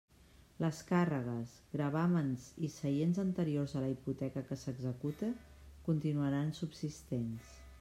Les càrregues, gravàmens i seients anteriors a la hipoteca que s'execute continuaran subsistents.